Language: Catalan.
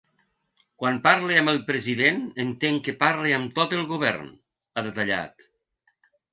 Quan parle amb el president entenc que parle amb tot el govern, ha detallat.